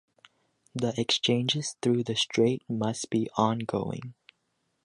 The exchanges through the Strait must be ongoing.